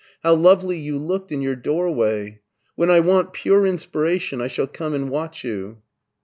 How lovely you looked in your doorway. When I want pure inspiration I shall come and watch you."